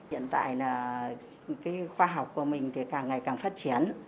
hiện tại là cái khoa học của mình thì càng ngày càng phát triển